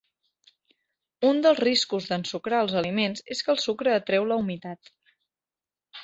Un dels riscos d'ensucrar els aliments és que el sucre atreu la humitat.